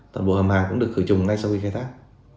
toàn bộ hầm hàng cũng được khử trùng ngay sau khi khai thác